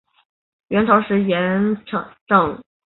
元朝时沿置。